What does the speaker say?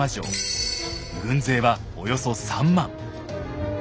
軍勢はおよそ３万。